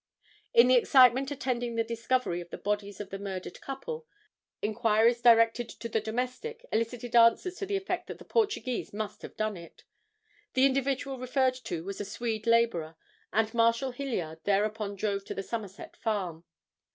In the excitement attending the discovery of the bodies of the murdered couple, inquiries directed to the domestic, elicited answers to the effect that the Portuguese must have done it. The individual referred to was a Swede laborer, and Marshal Hilliard thereupon drove to the Somerset farm.